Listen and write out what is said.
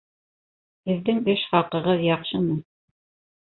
Һеҙҙең эш хаҡығыҙ яҡшымы?